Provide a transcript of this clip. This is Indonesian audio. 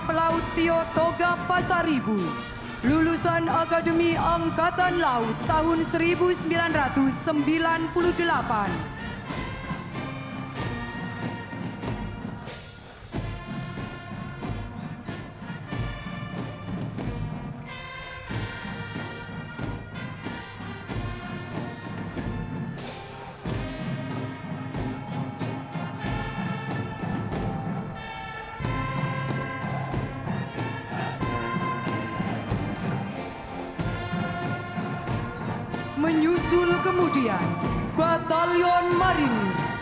saya buridg funktioniert ini karena bagian pertanyaan pernah lebih revenir servi intohnani khalifassani nutnaya